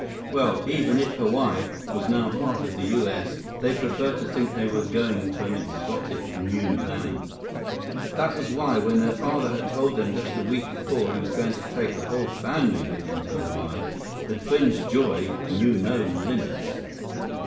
Well, even if Hawaii was now part of the U.S., they preferred to think they were going to an exotic new land. That was why, when their father had told them just a week before he was going to take the whole family with him to Hawaii, the twins' joy knew no limits.